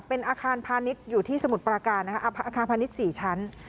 เป็นอาคารพาณิชย์อยู่ที่สมุทรปราการนะคะอาคารพาณิชย์๔ชั้น